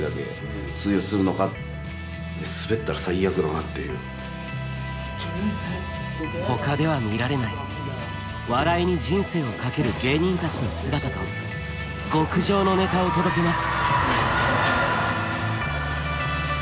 そして２人のほかでは見られない笑いに人生をかける芸人たちの姿と極上のネタを届けます。